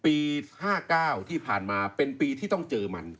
ปี๕๙ที่ผ่านมาเป็นปีที่ต้องเจอมัน